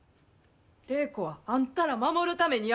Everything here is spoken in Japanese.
礼子はあんたら守るためにやめるんや。